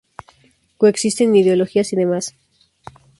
Coexisten ideologías y demás.